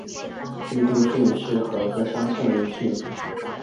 伊都郡是和歌山县的一郡。